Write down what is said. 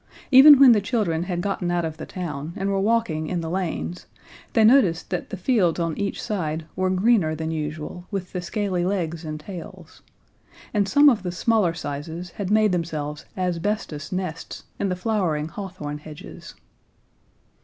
Even when the children had gotten out of the town and were walking in the lanes, they noticed that the fields on each side were greener than usual with the scaly legs and tails; and some of the smaller sizes had made themselves asbestos nests in the flowering hawthorn hedges.